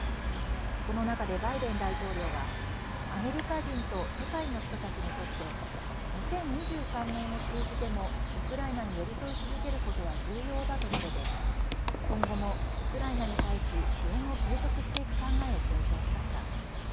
この中でバイデン大統領はアメリカ人と世界の人たちにとって２０２３年を通じてもウクライナに寄り添い続けることは重要だと述べて今後もウクライナに対し支援を継続していく考えを強調しました。